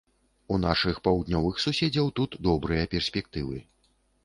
У нашых паўднёвых суседзяў тут добрыя перспектывы.